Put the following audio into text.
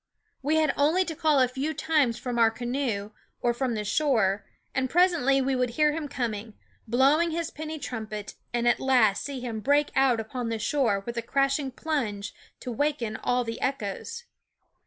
We had only to call a few times from our canoe, or from the shore, and presently we would hear him coming, blowing his penny trumpet, and at last see him break out upon the shore with a crashing ff plunge to waken all i. the echoes.